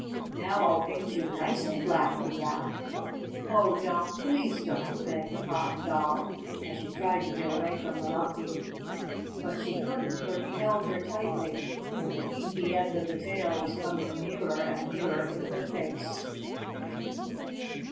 "Now I'll paint you nice and black!" he laughed. "Oh, don't! Please don't!" begged the Cotton Doll, as she tried to get away from the Monkey. But she couldn't, for he held her tightly, and the inky end of the tail was coming nearer and nearer to her face.